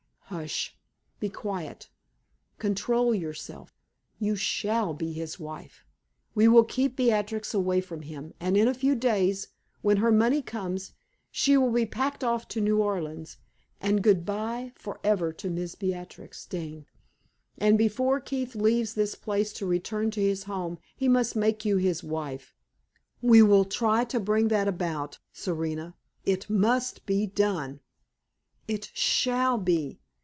"Hush! Be quiet. Control yourself. You shall be his wife. We will keep Beatrix away from him, and in a few days, when her money comes, she shall be packed off to New Orleans, and good bye forever to Miss Beatrix Dane. And before Keith leaves this place to return to his home he must make you his wife. We will try to bring that about, Serena. It must be done!" "It shall be!